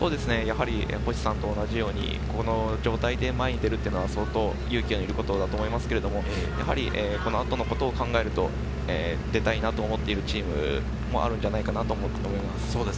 星さんと同じように、この状態で前に出るというのは相当、勇気がいることだと思いますけど、この後のことを考えると出たいなと思っているチームもあるんじゃないかなと思います。